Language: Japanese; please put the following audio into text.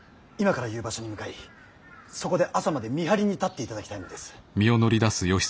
今から言う場所に向かいそこで朝まで見張りに立っていただきたいのです。